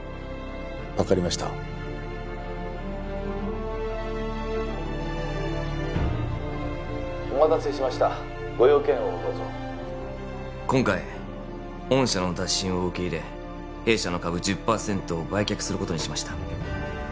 分かりましたお待たせしましたご用件をどうぞ今回御社の打診を受け入れ弊社の株１０％を売却することにしました